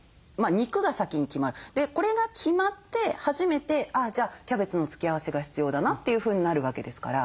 これが決まって初めてじゃあキャベツの付け合わせが必要だなというふうになる訳ですから。